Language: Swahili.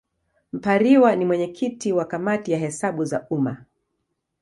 Mpariwa ni mwenyekiti wa Kamati ya Hesabu za Umma.